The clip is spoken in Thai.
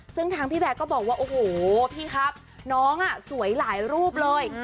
ซึ่งทางพี่แบร์ก็บอกว่าโอ้โหพี่ครับน้องสวยหลายรูปเลย